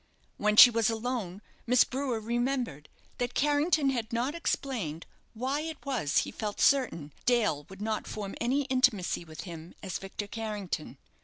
When she was alone, Miss Brewer remembered that Carrington had not explained why it was he felt certain Dale would not form any intimacy with him as Victor Carrington.